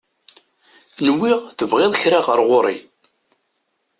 Nwiɣ tebɣiḍ kra ɣer ɣur-i?